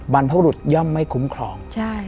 บรรพบรุษย่อมไม่คุ้มครอง